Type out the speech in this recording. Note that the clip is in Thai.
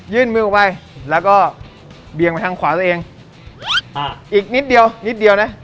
ยื่นมือออกไปแล้วก็เบี่ยงไปทางขวาตัวเองอ่าอีกนิดเดียวนิดเดียวนะ